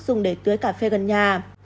dùng để tưới cà phê gần nhà